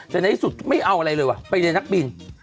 แต่ในที่สุดไม่เอาอะไรเลยว่ะไปในนักบิน